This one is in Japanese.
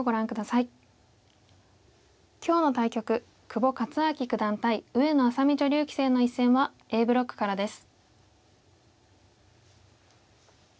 久保勝昭九段対上野愛咲美女流棋聖の一戦はＡブロックからです。